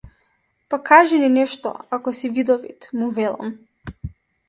Па кажи ни нешто ако си видовит, му велам.